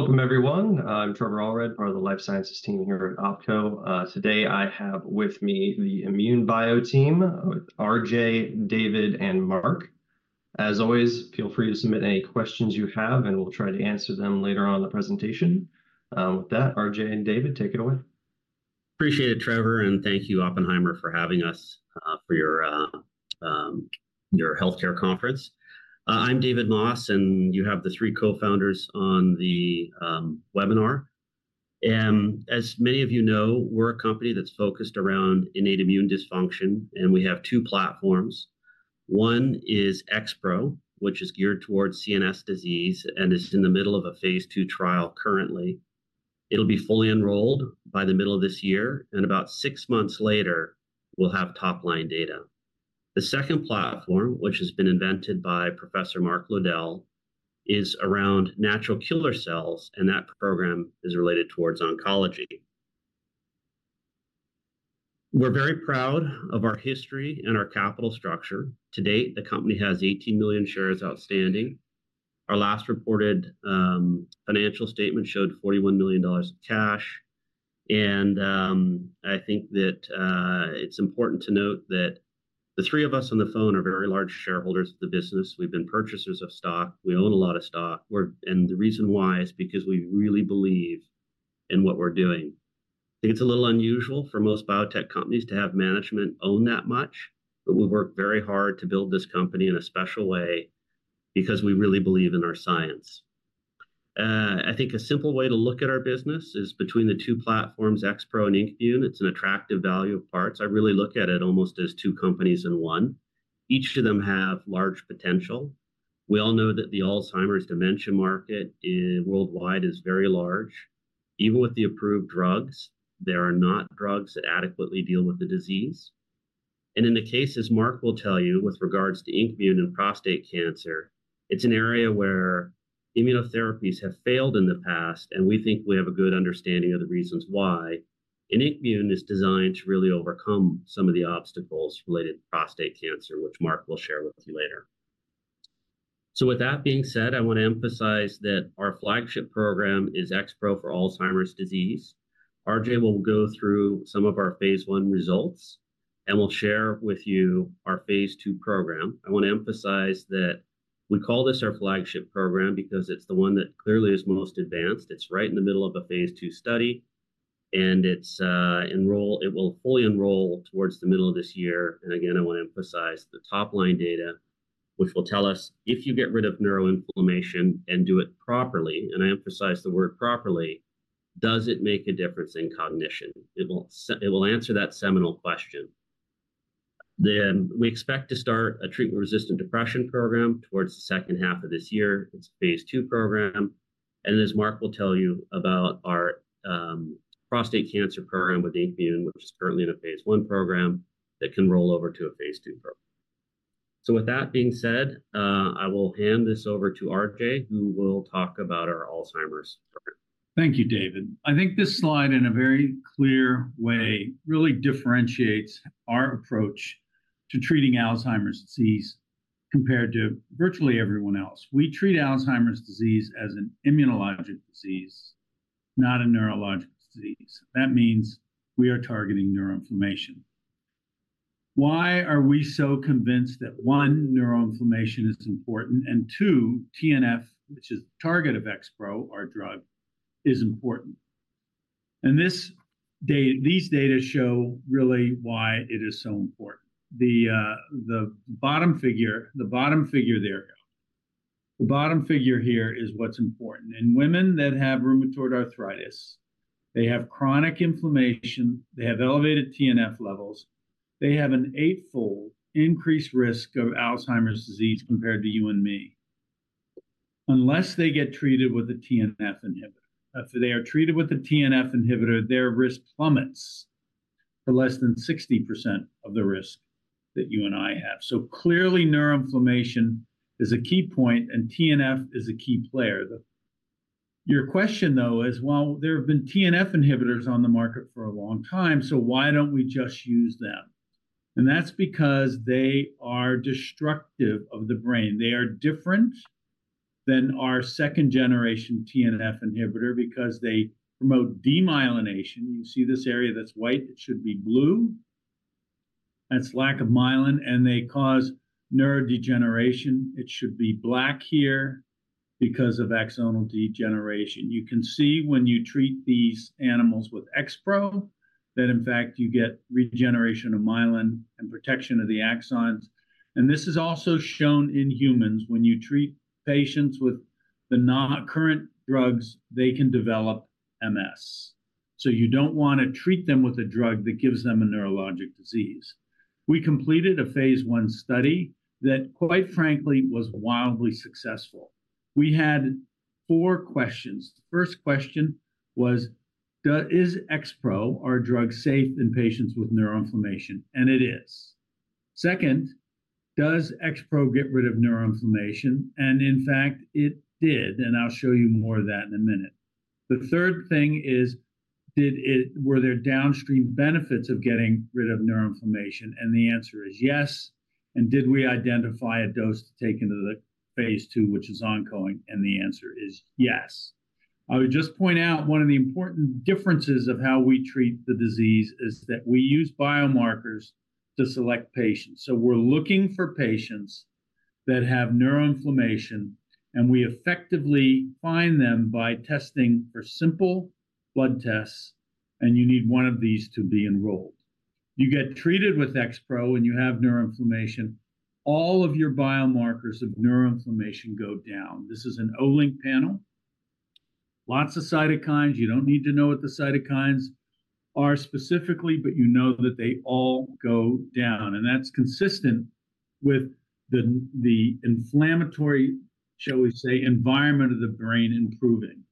Welcome, everyone. I'm Trevor Allred, part of the Life Sciences team here at OpCo. Today I have with me the INmune Bio team, RJ, David, and Mark. As always, feel free to submit any questions you have, and we'll try to answer them later on in the presentation. With that, RJ and David, take it away. Appreciate it, Trevor, and thank you, Oppenheimer, for having us for your healthcare conference. I'm David Moss, and you have the three co-founders on the webinar. As many of you know, we're a company that's focused around innate immune dysfunction, and we have two platforms. One is XPro, which is geared towards CNS disease and is in the middle of a phase 2 trial currently. It'll be fully enrolled by the middle of this year, and about six months later, we'll have top-line data. The second platform, which has been invented by Professor Mark Lowdell, is around natural killer cells, and that program is related towards oncology. We're very proud of our history and our capital structure. To date, the company has 18 million shares outstanding. Our last reported financial statement showed $41 million in cash. I think that it's important to note that the three of us on the phone are very large shareholders of the business. We've been purchasers of stock. We own a lot of stock. And the reason why is because we really believe in what we're doing. I think it's a little unusual for most biotech companies to have management own that much, but we've worked very hard to build this company in a special way because we really believe in our science. I think a simple way to look at our business is between the two platforms, XPro and INKmune. It's an attractive value of parts. I really look at it almost as two companies in one. Each of them have large potential. We all know that the Alzheimer's dementia market worldwide is very large. Even with the approved drugs, there are not drugs that adequately deal with the disease. In the case, as Mark will tell you, with regards to INKmune and prostate cancer, it's an area where immunotherapies have failed in the past, and we think we have a good understanding of the reasons why. INKmune is designed to really overcome some of the obstacles related to prostate cancer, which Mark will share with you later. So with that being said, I want to emphasize that our flagship program is XPro for Alzheimer's disease. RJ will go through some of our phase 1 results, and we'll share with you our phase 2 program. I want to emphasize that we call this our flagship program because it's the one that clearly is most advanced. It's right in the middle of a phase 2 study. And it will fully enroll towards the middle of this year. And again, I want to emphasize the top-line data, which will tell us if you get rid of neuroinflammation and do it properly, and I emphasize the word properly, does it make a difference in cognition? It will answer that seminal question. Then we expect to start a treatment-resistant depression program towards the second half of this year. It's a phase 2 program. And as Mark will tell you about our prostate cancer program with INKmune, which is currently in a phase 1 program, that can roll over to a phase 2 program. So with that being said, I will hand this over to RJ, who will talk about our Alzheimer's program. Thank you, David. I think this slide, in a very clear way, really differentiates our approach to treating Alzheimer's disease compared to virtually everyone else. We treat Alzheimer's disease as an immunologic disease, not a neurologic disease. That means we are targeting neuroinflammation. Why are we so convinced that, one, neuroinflammation is important, and two, TNF, which is the target of XPro, our drug, is important? These data show really why it is so important. The bottom figure here is what's important. In women that have rheumatoid arthritis, they have chronic inflammation, they have elevated TNF levels, they have an eightfold increased risk of Alzheimer's disease compared to you and me, unless they get treated with a TNF inhibitor. If they are treated with a TNF inhibitor, their risk plummets to less than 60% of the risk that you and I have. So clearly, neuroinflammation is a key point, and TNF is a key player. Your question, though, is, well, there have been TNF inhibitors on the market for a long time, so why don't we just use them? And that's because they are destructive of the brain. They are different than our second-generation TNF inhibitor because they promote demyelination. You see this area that's white? It should be blue. That's lack of myelin, and they cause neurodegeneration. It should be black here because of axonal degeneration. You can see when you treat these animals with XPro that, in fact, you get regeneration of myelin and protection of the axons. And this is also shown in humans. When you treat patients with the current drugs, they can develop MS. So you don't want to treat them with a drug that gives them a neurologic disease. We completed a phase 1 study that, quite frankly, was wildly successful. We had four questions. The first question was, is XPro our drug safe in patients with neuroinflammation? It is. Second, does XPro get rid of neuroinflammation? In fact, it did, and I'll show you more of that in a minute. The third thing is, were there downstream benefits of getting rid of neuroinflammation? The answer is yes. Did we identify a dose to take into the phase 2, which is ongoing? The answer is yes. I would just point out one of the important differences of how we treat the disease is that we use biomarkers to select patients. We're looking for patients that have neuroinflammation, and we effectively find them by testing for simple blood tests, and you need one of these to be enrolled. You get treated with XPro, and you have neuroinflammation. All of your biomarkers of neuroinflammation go down. This is an Olink panel. Lots of cytokines. You don't need to know what the cytokines are specifically, but you know that they all go down. And that's consistent with the inflammatory, shall we say, environment of the brain improving.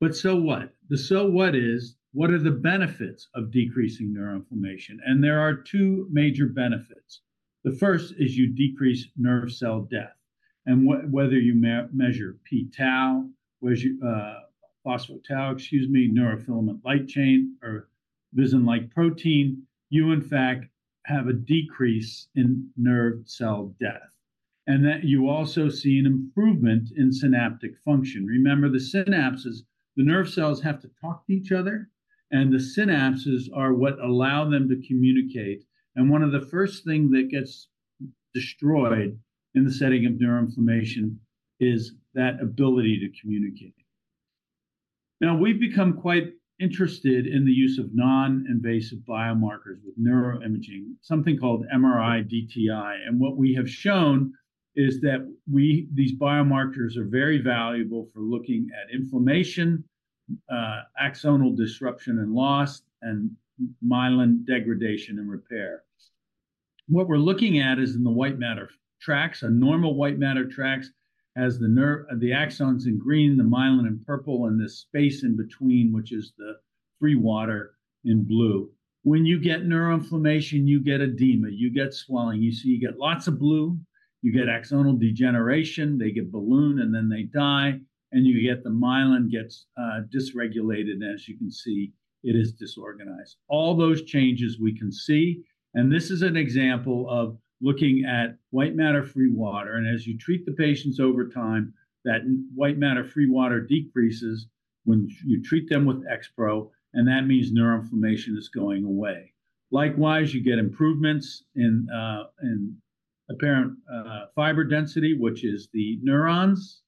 But so what? The so what is, what are the benefits of decreasing neuroinflammation? And there are two major benefits. The first is you decrease nerve cell death. And whether you measure pTau, phospho-tau, excuse me, neurofilament light chain, or visinin-like protein, you, in fact, have a decrease in nerve cell death. And then you also see an improvement in synaptic function. Remember, the synapses - the nerve cells have to talk to each other - and the synapses are what allow them to communicate. One of the first things that gets destroyed in the setting of neuroinflammation is that ability to communicate. Now, we've become quite interested in the use of non-invasive biomarkers with neuroimaging, something called MRI DTI. What we have shown is that these biomarkers are very valuable for looking at inflammation, axonal disruption and loss, and myelin degradation and repair. What we're looking at is in the white matter tracts, a normal white matter tract has the axons in green, the myelin in purple, and this space in between, which is the free water, in blue. When you get neuroinflammation, you get edema, you get swelling. You see you get lots of blue, you get axonal degeneration, they get balloon, and then they die, and you get the myelin gets dysregulated, and as you can see, it is disorganized. All those changes we can see. This is an example of looking at white matter free water. As you treat the patients over time, that white matter free water decreases when you treat them with XPro, and that means neuroinflammation is going away. Likewise, you get improvements in apparent fiber density, which is the neurons,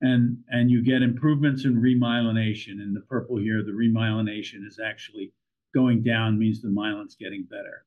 and you get improvements in remyelination. In the purple here, the remyelination is actually going down, means the myelin's getting better.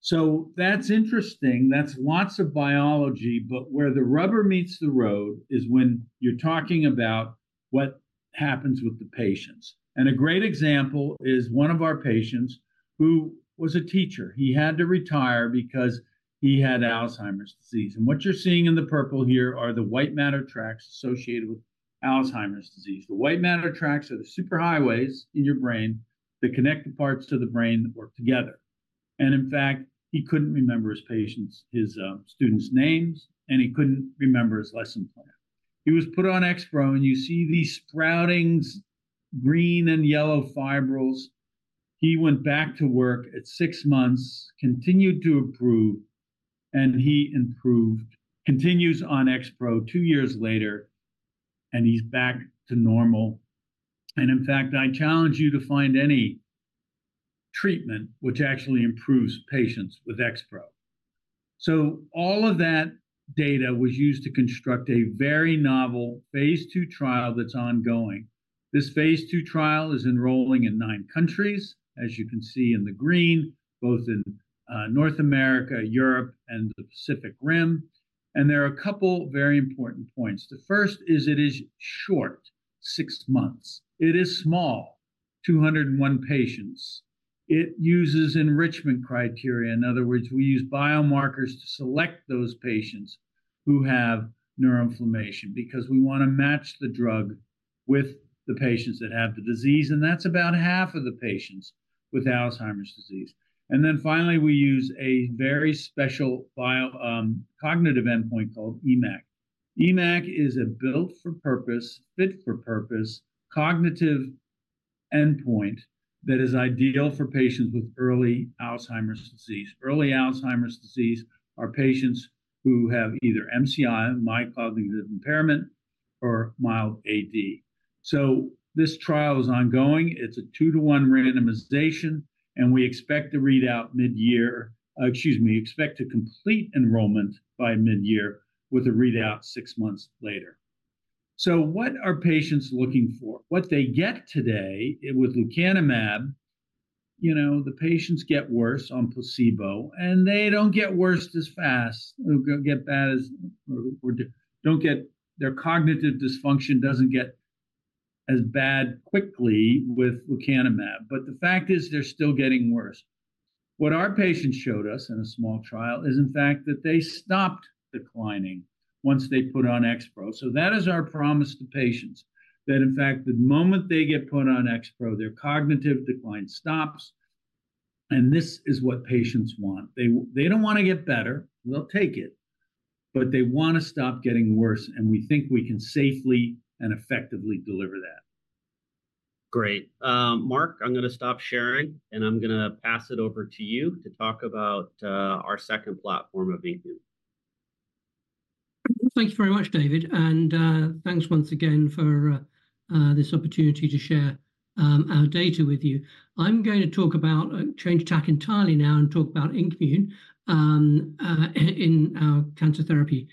So that's interesting. That's lots of biology, but where the rubber meets the road is when you're talking about what happens with the patients. A great example is one of our patients who was a teacher. He had to retire because he had Alzheimer's disease. What you're seeing in the purple here are the white matter tracts associated with Alzheimer's disease. The white matter tracks are the superhighways in your brain that connect the parts to the brain that work together. In fact, he couldn't remember his patients, his students' names, and he couldn't remember his lesson plan. He was put on XPro, and you see these sproutings, green and yellow fibrils. He went back to work at 6 months, continued to improve, and he improved, continues on XPro 2 years later, and he's back to normal. In fact, I challenge you to find any treatment which actually improves patients with XPro. So all of that data was used to construct a very novel phase 2 trial that's ongoing. This phase 2 trial is enrolling in 9 countries, as you can see in the green, both in North America, Europe, and the Pacific Rim. There are a couple of very important points. The first is it is short, 6 months. It is small, 201 patients. It uses enrichment criteria. In other words, we use biomarkers to select those patients who have neuroinflammation because we want to match the drug with the patients that have the disease. And that's about half of the patients with Alzheimer's disease. And then finally, we use a very special cognitive endpoint called EMACC. EMACC is a built-for-purpose, fit-for-purpose cognitive endpoint that is ideal for patients with early Alzheimer's disease. Early Alzheimer's disease are patients who have either MCI, mild cognitive impairment, or mild AD. So this trial is ongoing. It's a 2-to-1 randomization, and we expect to read out mid-year, excuse me, we expect to complete enrollment by mid-year with a readout 6 months later. So what are patients looking for? What they get today with lecanemab, the patients get worse on placebo, and they don't get worse as fast, their cognitive dysfunction doesn't get as bad quickly with lecanemab. But the fact is, they're still getting worse. What our patients showed us in a small trial is, in fact, that they stopped declining once they put on XPro. So that is our promise to patients, that in fact, the moment they get put on XPro, their cognitive decline stops. And this is what patients want. They don't want to get better. They'll take it. But they want to stop getting worse, and we think we can safely and effectively deliver that. Great. Mark, I'm going to stop sharing, and I'm going to pass it over to you to talk about our second platform of INmune. Thank you very much, David, and thanks once again for this opportunity to share our data with you. I'm going to talk about, change tack entirely now, and talk about INKmune in our cancer therapy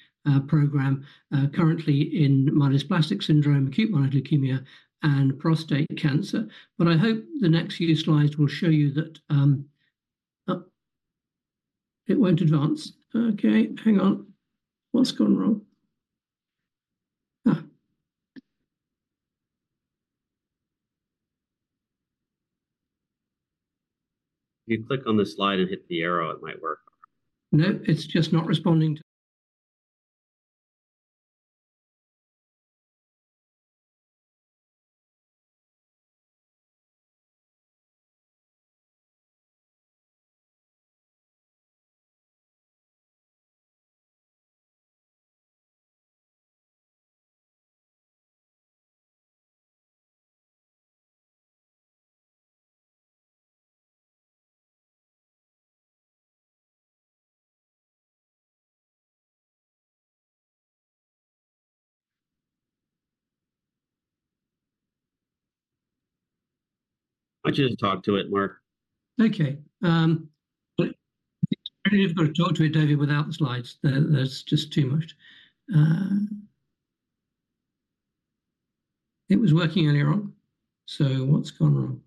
program, currently in myelodysplastic syndrome, acute myeloid leukemia, and prostate cancer. But I hope the next few slides will show you that it won't advance. Okay, hang on. What's gone wrong? If you click on the slide and hit the arrow, it might work. No, it's just not responding to. I just talked to it, Mark. Okay. I think it's better if you've got to talk to it, David, without the slides. That's just too much. It was working earlier on. So what's gone wrong?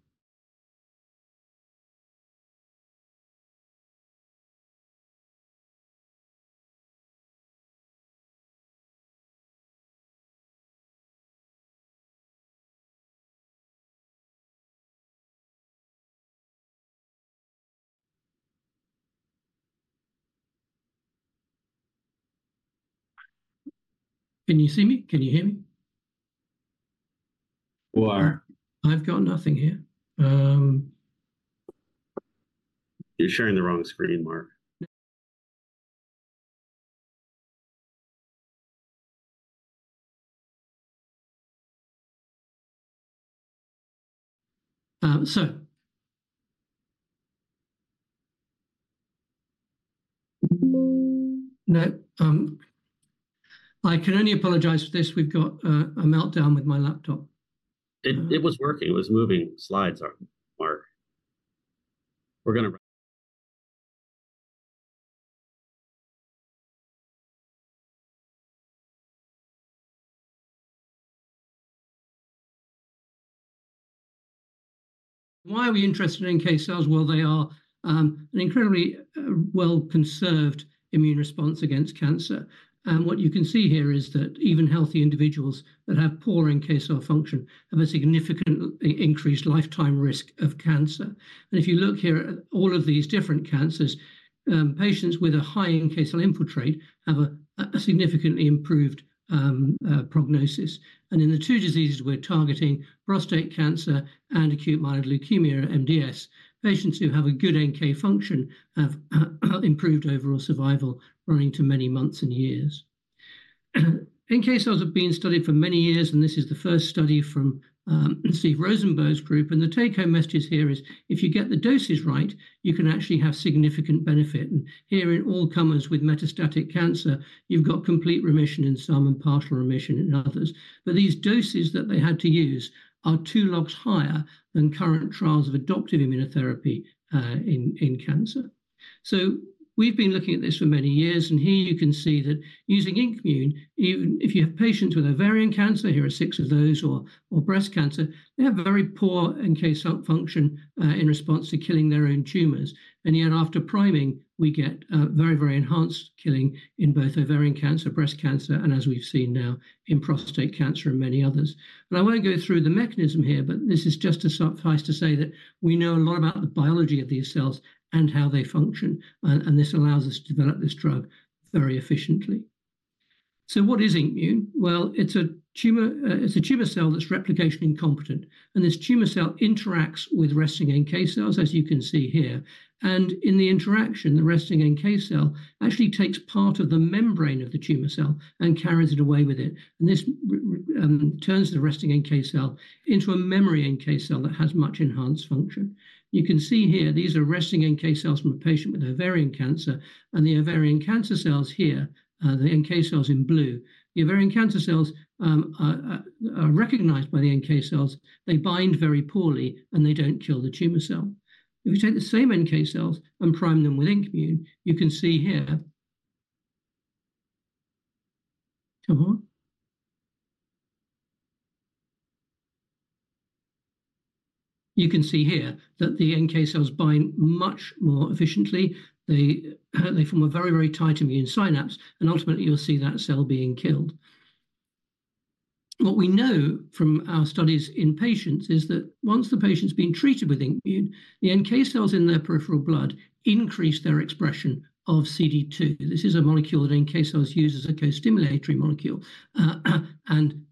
Can you see me? Can you hear me? You are. I've got nothing here. You're sharing the wrong screen, Mark. No, I can only apologize for this. We've got a meltdown with my laptop. It was working. It was moving. Slides aren't, Mark. We're going to. Why are we interested in NK cells? Well, they are an incredibly well-preserved immune response against cancer. What you can see here is that even healthy individuals that have poorer NK cell function have a significantly increased lifetime risk of cancer. If you look here at all of these different cancers, patients with a high NK cell infiltrate have a significantly improved prognosis. In the two diseases we're targeting, prostate cancer and acute myeloid leukemia, or MDS, patients who have a good NK function have improved overall survival running to many months and years. NK cells have been studied for many years, and this is the first study from Steve Rosenberg's group. The take-home message here is, if you get the doses right, you can actually have significant benefit. Here in all comers with metastatic cancer, you've got complete remission in some and partial remission in others. These doses that they had to use are two logs higher than current trials of adoptive immunotherapy in cancer. We've been looking at this for many years, and here you can see that using INKmune, even if you have patients with ovarian cancer (here are six of those) or breast cancer, they have very poor NK cell function in response to killing their own tumors. And yet, after priming, we get very, very enhanced killing in both ovarian cancer, breast cancer, and as we've seen now in prostate cancer and many others. I won't go through the mechanism here, but this is just suffice to say that we know a lot about the biology of these cells and how they function, and this allows us to develop this drug very efficiently. So what is INKmune? Well, it's a tumor cell that's replication incompetent, and this tumor cell interacts with resting NK cells, as you can see here. And in the interaction, the resting NK cell actually takes part of the membrane of the tumor cell and carries it away with it. And this turns the resting NK cell into a memory NK cell that has much enhanced function. You can see here, these are resting NK cells from a patient with ovarian cancer, and the ovarian cancer cells here, the NK cells in blue, the ovarian cancer cells are recognized by the NK cells. They bind very poorly, and they don't kill the tumor cell. If you take the same NK cells and prime them with INKmune, you can see here, come on. You can see here that the NK cells bind much more efficiently. They form a very, very tight immune synapse, and ultimately, you'll see that cell being killed. What we know from our studies in patients is that once the patient's been treated with INKmune, the NK cells in their peripheral blood increase their expression of CD2. This is a molecule that NK cells use as a co-stimulatory molecule. And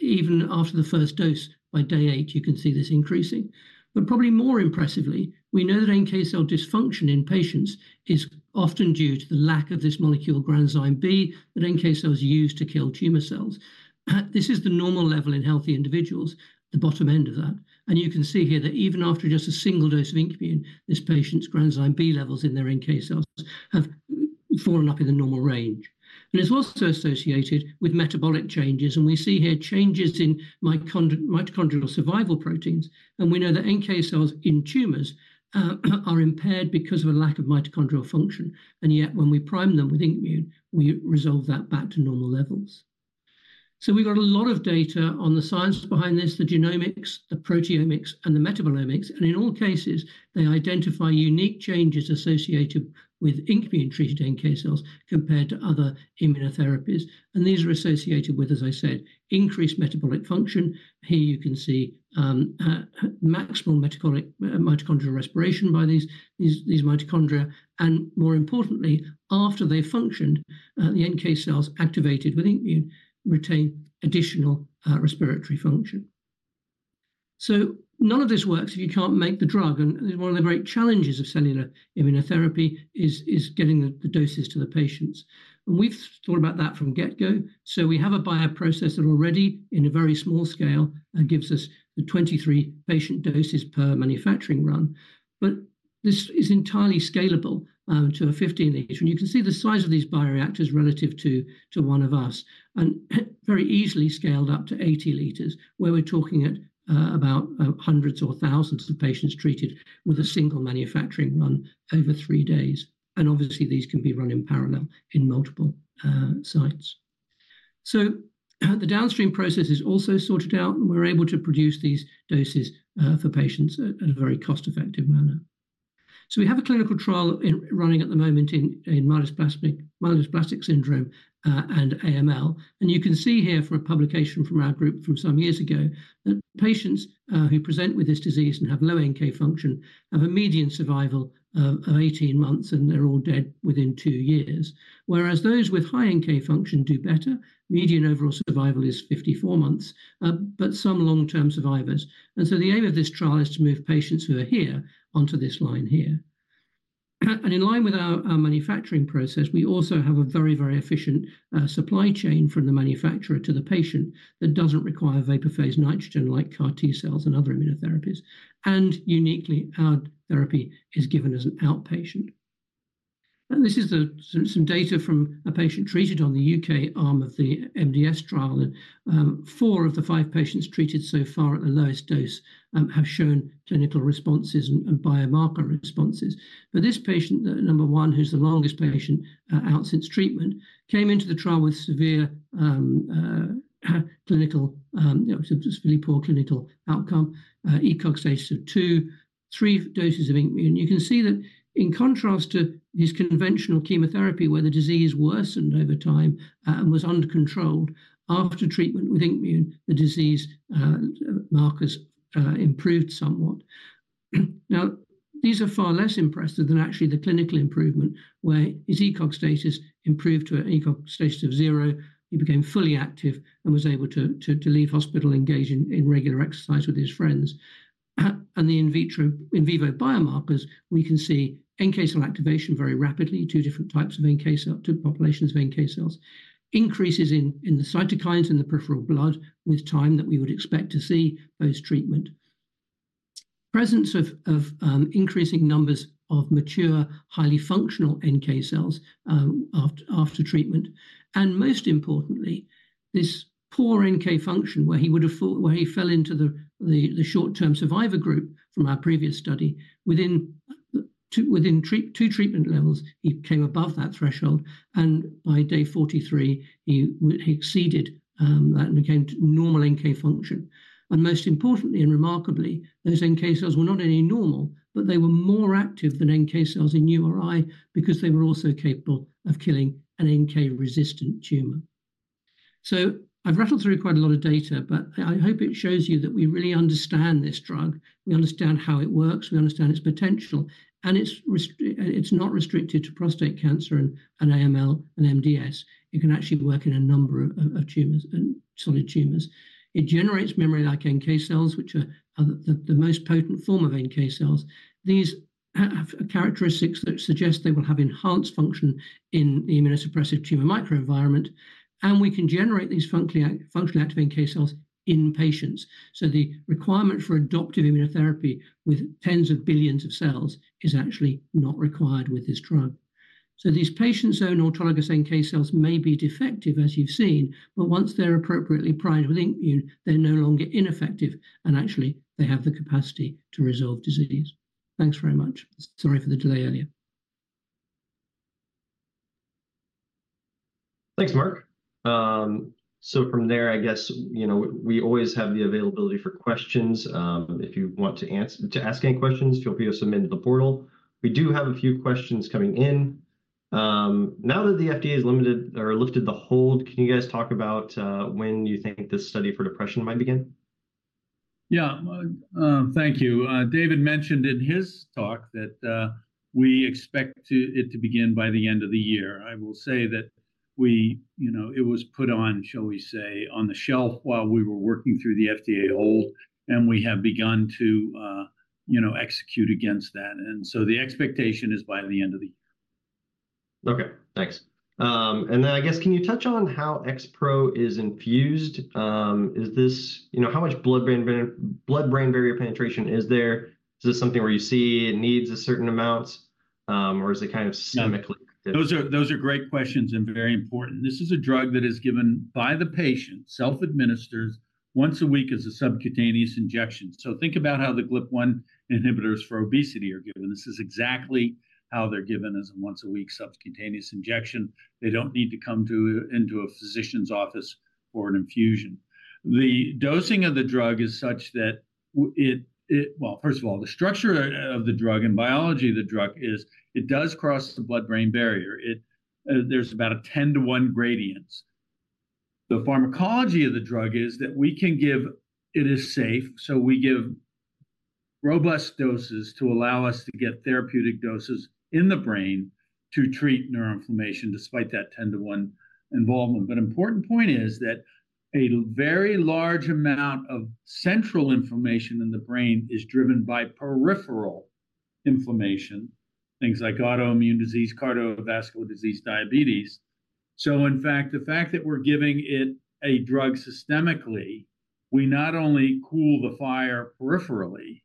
even after the first dose by day eight, you can see this increasing. But probably more impressively, we know that NK cell dysfunction in patients is often due to the lack of this molecule, granzyme B, that NK cells use to kill tumor cells. This is the normal level in healthy individuals, the bottom end of that. You can see here that even after just a single dose of INKmune, this patient's Granzyme B levels in their NK cells have fallen up in the normal range. It's also associated with metabolic changes, and we see here changes in mitochondrial survival proteins. We know that NK cells in tumors are impaired because of a lack of mitochondrial function. Yet, when we prime them with INKmune, we resolve that back to normal levels. We've got a lot of data on the science behind this, the genomics, the proteomics, and the metabolomics. In all cases, they identify unique changes associated with INKmune-treated NK cells compared to other immunotherapies. These are associated with, as I said, increased metabolic function. Here you can see maximal mitochondrial respiration by these mitochondria. And more importantly, after they functioned, the NK cells activated with INKmune retain additional respiratory function. So none of this works if you can't make the drug. And one of the great challenges of cellular immunotherapy is getting the doses to the patients. And we've thought about that from the get-go. So we have a bioprocessor already in a very small scale and gives us the 23 patient doses per manufacturing run. But this is entirely scalable to a 15-liter one. You can see the size of these bioreactors relative to one of us and very easily scaled up to 80 liters, where we're talking about hundreds or thousands of patients treated with a single manufacturing run over three days. And obviously, these can be run in parallel in multiple sites. So the downstream process is also sorted out, and we're able to produce these doses for patients at a very cost-effective manner. So we have a clinical trial running at the moment in myelodysplastic syndrome and AML. And you can see here for a publication from our group from some years ago that patients who present with this disease and have low NK function have a median survival of 18 months, and they're all dead within 2 years. Whereas those with high NK function do better, median overall survival is 54 months, but some long-term survivors. And so the aim of this trial is to move patients who are here onto this line here. And in line with our manufacturing process, we also have a very, very efficient supply chain from the manufacturer to the patient that doesn't require vapor phase nitrogen like CAR T cells and other immunotherapies. Uniquely, our therapy is given as an outpatient. This is some data from a patient treated on the U.K. arm of the MDS trial. Four of the five patients treated so far at the lowest dose have shown clinical responses and biomarker responses. But this patient, number one, who's the longest patient out since treatment, came into the trial with severe clinical—it was a really poor clinical outcome—ECOG status of two, three doses of INKmune. You can see that in contrast to this conventional chemotherapy, where the disease worsened over time and was under control, after treatment with INKmune, the disease markers improved somewhat. Now, these are far less impressive than actually the clinical improvement, where his ECOG status improved to an ECOG status of zero. He became fully active and was able to leave hospital and engage in regular exercise with his friends. The in vivo biomarkers, we can see NK cell activation very rapidly, two different types of NK cells, two populations of NK cells, increases in the cytokines in the peripheral blood with time that we would expect to see post-treatment, presence of increasing numbers of mature, highly functional NK cells after treatment, and most importantly, this poor NK function where he fell into the short-term survivor group from our previous study. Within two treatment levels, he came above that threshold, and by day 43, he exceeded that and became normal NK function. And most importantly and remarkably, those NK cells were not any normal, but they were more active than NK cells in URI because they were also capable of killing an NK-resistant tumor. So I've rattled through quite a lot of data, but I hope it shows you that we really understand this drug. We understand how it works. We understand its potential. It's not restricted to prostate cancer and AML and MDS. It can actually work in a number of solid tumors. It generates memory-like NK cells, which are the most potent form of NK cells. These have characteristics that suggest they will have enhanced function in the immunosuppressive tumor microenvironment. We can generate these functionally active NK cells in patients. The requirement for adoptive immunotherapy with tens of billions of cells is actually not required with this drug. These patient-owned autologous NK cells may be defective, as you've seen, but once they're appropriately primed with INKmune, they're no longer ineffective, and actually, they have the capacity to resolve disease. Thanks very much. Sorry for the delay earlier. Thanks, Mark. So from there, I guess we always have the availability for questions. If you want to ask any questions, feel free to submit to the portal. We do have a few questions coming in. Now that the FDA has lifted the hold, can you guys talk about when you think this study for depression might begin? Yeah, thank you. David mentioned in his talk that we expect it to begin by the end of the year. I will say that it was put on, shall we say, on the shelf while we were working through the FDA hold, and we have begun to execute against that. And so the expectation is by the end of the year. Okay, thanks. And then I guess can you touch on how XPro is infused? How much blood-brain barrier penetration is there? Is this something where you see it needs a certain amount, or is it kind of systemically active? Yeah, those are great questions and very important. This is a drug that is given by the patient, self-administers, once a week as a subcutaneous injection. So think about how the GLP-1 inhibitors for obesity are given. This is exactly how they're given as a once-a-week subcutaneous injection. They don't need to come into a physician's office for an infusion. The dosing of the drug is such that it, well, first of all, the structure of the drug and biology of the drug is it does cross the blood-brain barrier. There's about a 10:1 gradient. The pharmacology of the drug is that we can give, it is safe, so we give robust doses to allow us to get therapeutic doses in the brain to treat neuroinflammation despite that 10:1 involvement. The important point is that a very large amount of central inflammation in the brain is driven by peripheral inflammation, things like autoimmune disease, cardiovascular disease, diabetes. In fact, the fact that we're giving it a drug systemically, we not only cool the fire peripherally,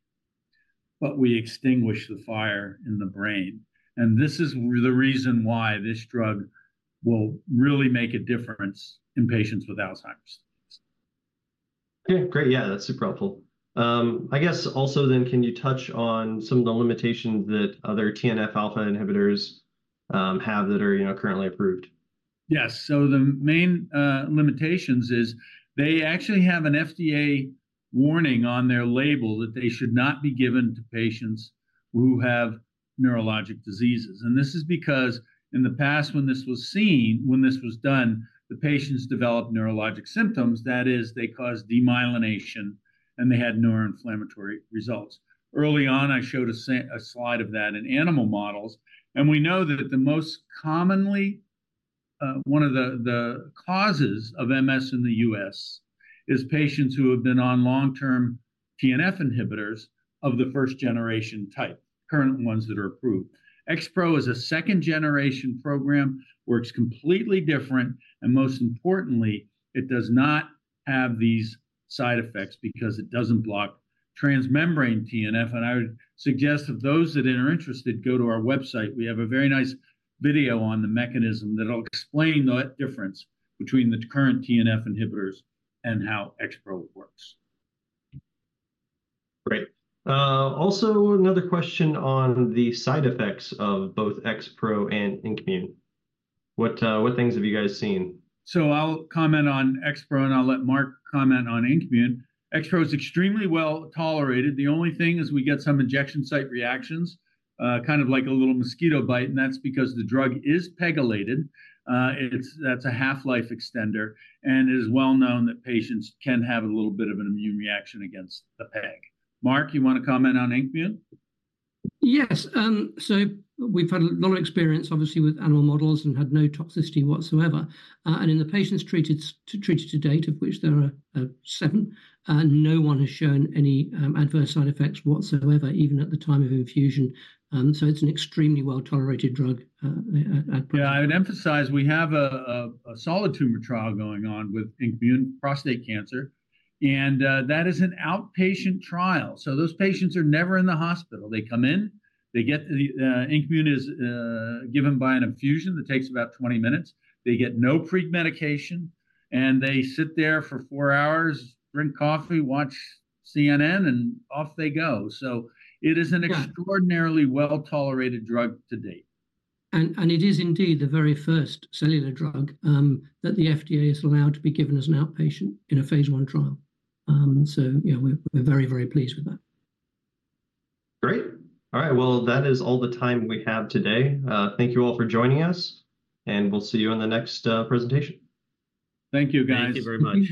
but we extinguish the fire in the brain. This is the reason why this drug will really make a difference in patients with Alzheimer's disease. Okay, great. Yeah, that's super helpful. I guess also then, can you touch on some of the limitations that other TNF-alpha inhibitors have that are currently approved? Yes. So the main limitations is they actually have an FDA warning on their label that they should not be given to patients who have neurologic diseases. And this is because in the past, when this was seen, when this was done, the patients developed neurologic symptoms. That is, they caused demyelination, and they had neuroinflammatory results. Early on, I showed a slide of that in animal models. And we know that the most commonly one of the causes of MS in the U.S. is patients who have been on long-term TNF inhibitors of the first-generation type, current ones that are approved. XPro is a second-generation program. Works completely different. And most importantly, it does not have these side effects because it doesn't block transmembrane TNF. And I would suggest if those that are interested go to our website. We have a very nice video on the mechanism that'll explain the difference between the current TNF inhibitors and how XPro works. Great. Also, another question on the side effects of both XPro and INKmune. What things have you guys seen? So I'll comment on XPro, and I'll let Mark comment on INKmune. XPro is extremely well tolerated. The only thing is we get some injection site reactions, kind of like a little mosquito bite, and that's because the drug is PEGylated. That's a half-life extender. And it is well known that patients can have a little bit of an immune reaction against the PEG. Mark, you want to comment on INKmune? Yes. So we've had a lot of experience, obviously, with animal models and had no toxicity whatsoever. And in the patients treated to date, of which there are seven, no one has shown any adverse side effects whatsoever, even at the time of infusion. So it's an extremely well-tolerated drug at present. Yeah, I would emphasize we have a solid tumor trial going on with INKmune prostate cancer. That is an outpatient trial. Those patients are never in the hospital. They come in. INKmune is given by an infusion that takes about 20 minutes. They get no premedication. They sit there for 4 hours, drink coffee, watch CNN, and off they go. So it is an extraordinarily well-tolerated drug to date. It is indeed the very first cellular drug that the FDA is allowed to be given as an outpatient in a phase 1 trial. Yeah, we're very, very pleased with that. Great. All right. Well, that is all the time we have today. Thank you all for joining us, and we'll see you in the next presentation. Thank you, guys. Thank you very much.